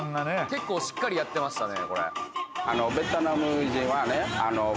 結構しっかりやってましたね